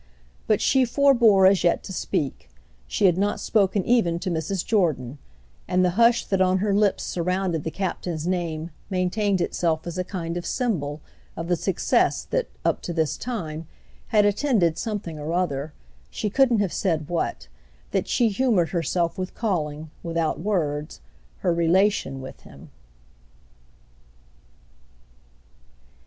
But she forbore as yet to speak; she had not spoken even to Mrs. Jordan; and the hush that on her lips surrounded the Captain's name maintained itself as a kind of symbol of the success that, up to this time, had attended something or other—she couldn't have said what—that she humoured herself with calling, without words, her relation with him.